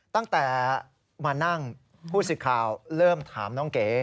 ตั้งแต่มานั่งผู้สิทธิ์ข่าวเริ่มถามน้องเก๋